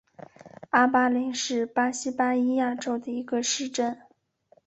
阿巴雷是巴西巴伊亚州的一个市镇。